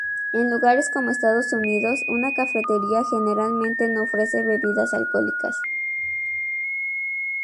En lugares como Estados Unidos, una cafetería, generalmente, no ofrece bebidas alcohólicas.